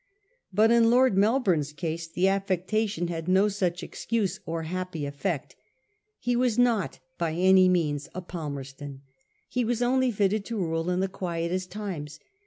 But in Lord Melbourne's case the affectation had no such excuse or happy effect. He was not by any means a Palmerston. He was only fitted to rule in the quietest times.